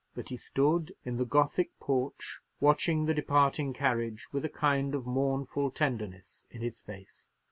But he stood in the Gothic porch, watching the departing carriage with a kind of mournful tenderness in his face.